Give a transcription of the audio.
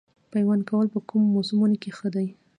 پیوند کول په کوم موسم کې ښه دي؟